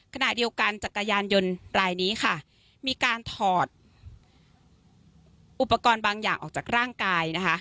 ขณะเดียวกันจักรยานยนต์รายนี้ค่ะมีการถอดอุปกรณ์บางอย่างออกจากร่างกายนะคะ